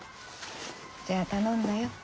じゃ頼んだよ。